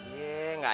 iya nggak ada